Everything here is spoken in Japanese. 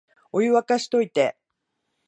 お湯、沸かしといて